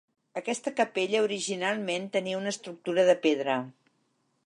Aquesta capella originalment tenia una estructura de pedra.